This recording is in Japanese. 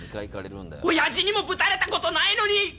おやじにもぶたれたことないのに！